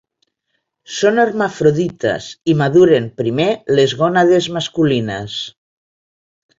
Són hermafrodites, i maduren primer les gònades masculines.